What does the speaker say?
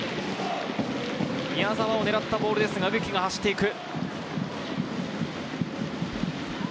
宮澤を狙ったボールですが、植木が走っていく。